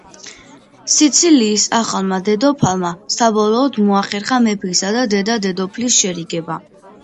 სიცილიის ახალმა დედოფალმა, საბოლოოდ მოახერხა მეფისა და დედა-დედოფლის შერიგება.